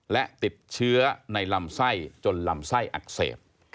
และติดเชื้อในลำไส้จนลำไส้อักเสบ